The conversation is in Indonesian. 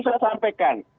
perlu saya sampaikan